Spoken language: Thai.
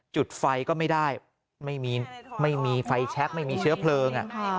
จุดไฟก็ไม่ได้ไม่มีไฟแช็คไม่มีเชื้อเพลิง